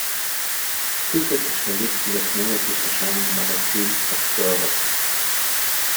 Zusätzlich verlegt sie das monatlich erscheinende Magazin "Observer".